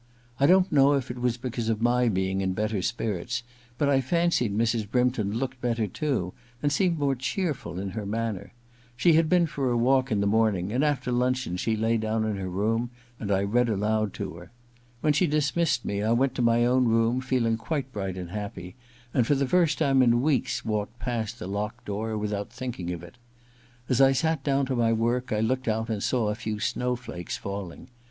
I don't know if it was because of my being in better spirits, but I fancied Mrs. Brympton looked better too, and seemed more cheerful in her manner. She had been for a walk in the IV THE LADrS MAID'S BELL 149 morning, and after luncheon she lay down in her room, and I read aloud to her. When she dismissed me I went to my own room feeling quite bright and happy, and for the first time in weeks walked past the locked door without thinking of it. As I sat down to my work I looked out and saw a few snow flakes falling.